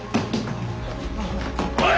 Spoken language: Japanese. おい！